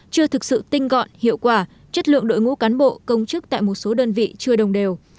chưa thực sự tinh gọn hiệu quả chất lượng đội ngũ cán bộ công chức tại một số đơn vị chưa đồng đều